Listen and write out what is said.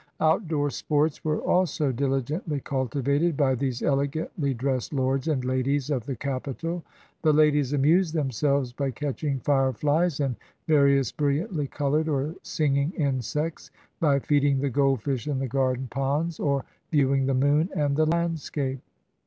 Outdoor sports were also diligently cultivated by these elegantly dressed lords and ladies of the capital. The ladies amused themselves by catching fireflies and va rious brilliantly colored or singing insects, by feeding the goldfish in the garden ponds, or viewing the moon and the landscape.